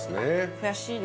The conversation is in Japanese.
悔しいな。